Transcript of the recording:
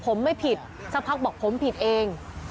ผมไม่ผิดสักพักบอกผมผิดเอง